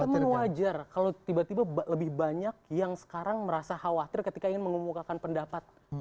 cuma wajar kalau tiba tiba lebih banyak yang sekarang merasa khawatir ketika ingin mengumumkakan pendapat